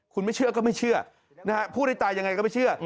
คุณไม่เชื่อก็ไม่เชื่อนะฮะพูดให้ตายยังไงก็ไม่เชื่อ